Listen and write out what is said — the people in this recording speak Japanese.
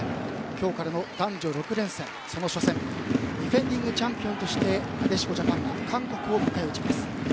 今日からの男女６連戦の初戦ディフェンディングチャンピオンとしてなでしこジャパンが韓国を迎え撃ちます。